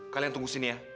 kalian tunggu sini ya